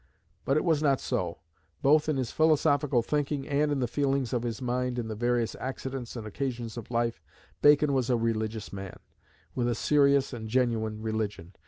But it was not so. Both in his philosophical thinking, and in the feelings of his mind in the various accidents and occasions of life, Bacon was a religious man, with a serious and genuine religion.